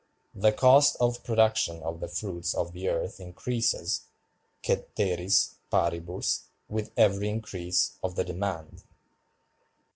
The cost of production of the fruits of the earth increases, cæteris paribus, with every increase of the demand.